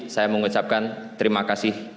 saya mengucapkan terima kasih